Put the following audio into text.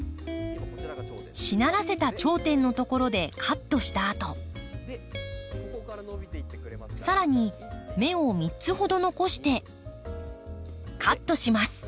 しならせた頂点の所でカットしたあとさらに芽を３つほど残してカットします。